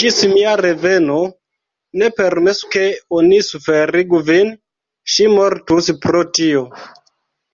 Ĝis mia reveno, ne permesu ke oni suferigu vin: ŝi mortus pro tio!